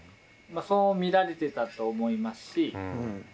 そう見られてたと思いますし。